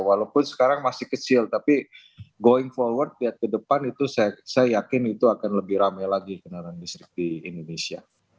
walaupun sekarang masih kecil tapi going forward ke depan itu saya yakin itu akan lebih rame lagi kendaraan listrik di indonesia